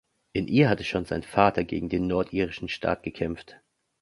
In ihr hatte schon sein Vater gegen den nordirischen Staat gekämpft.